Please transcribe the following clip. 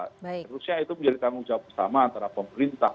harusnya itu menjadi tanggung jawab bersama antara pemerintah